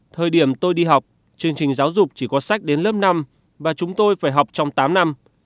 thời điểm tôi đi học chương trình giáo dục chỉ có sách đến lớp năm và chúng tôi phải học trong tám năm